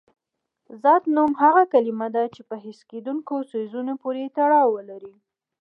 ذات نوم هغه کلمه ده چې په حس کېدونکي څیزونو پورې تړاو ولري.